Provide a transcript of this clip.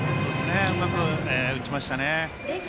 うまく打ちましたね。